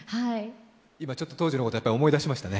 今ちょっと当時のことを思い出しましたね。